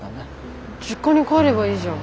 実家に帰ればいいじゃん。